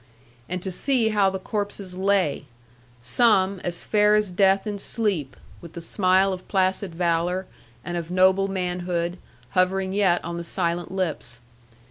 And to see how the corses lay; some, as fair as death in sleep; with the smile of placid valour, and of noble manhood, hovering yet on the silent lips.